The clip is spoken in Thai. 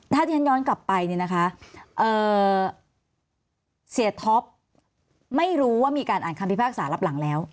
ถ้าที่ฉันย้อนกลับไปเนี่ยนะคะเสียท็อปไม่รู้ว่ามีการอ่านคำพิพากษารับหลังแล้ว